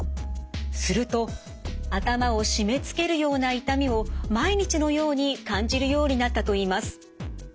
すると頭を締めつけるような痛みを毎日のように感じるようになったといいます。